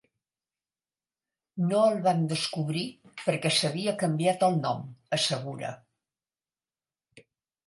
No el vam descobrir perquè s'havia canviat el nom —assegura.